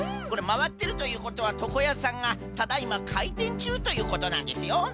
これまわってるということはとこやさんがただいまかいてんちゅうということなんですよ。